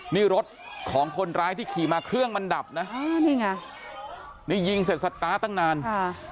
นี่รถของคนร้ายที่ขี่มาเครื่องมันดับนะนี่ยิงเสร็จสัตว์ตาตั้งนาน